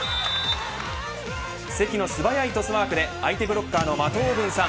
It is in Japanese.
関の素早いトスワークで相手ブロッカーの的を分散。